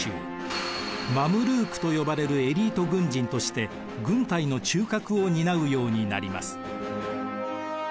マムルークと呼ばれるエリート軍人として軍隊の中核を担うようになります。